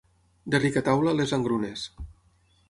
De rica taula, les engrunes.